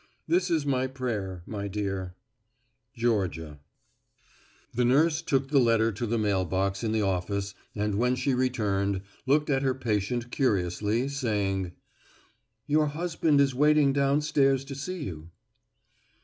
This is my prayer, my dear._ Georgia. The nurse took the letter to the mail box in the office and when she returned, looked at her patient curiously, saying, "Your husband is waiting downstairs to see you."